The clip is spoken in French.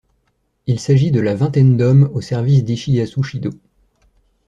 Il s'agit de la vingtaine d'hommes au service d'Hishiyasu Shido.